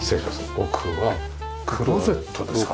奥はクローゼットですか？